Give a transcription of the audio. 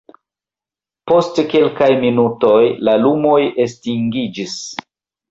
Post kelkaj minutoj, la lumoj estingiĝis.